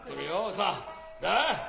さあなあ。